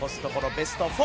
ベスト４。